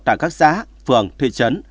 tại các xã phường thị trấn